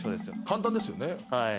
簡単ですよね。